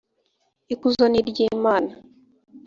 ikuzo niryimana.